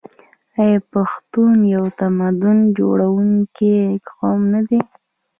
آیا پښتون یو تمدن جوړونکی قوم نه دی؟